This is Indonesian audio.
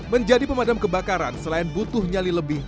menjadi pemadam kebakaran selain butuh nyali lebih